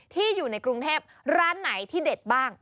อยู่ในกรุงเทพร้านไหนที่เด็ดบ้าง